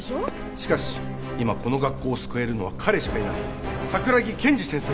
しかし今この学校を救えるのは彼しかいない桜木建二先生